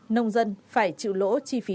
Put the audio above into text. nông dân phải chịu lỗ